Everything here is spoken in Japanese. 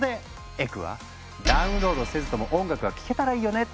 エクは「ダウンロードせずとも音楽が聴けたらいいよね」って考えた。